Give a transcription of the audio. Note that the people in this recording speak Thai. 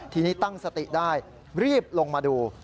ทีนี้ตั้งสติได้รีบลงมาดู